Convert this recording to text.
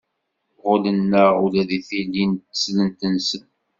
Ɣullen-aɣ ula deg tili n teslent-nsen.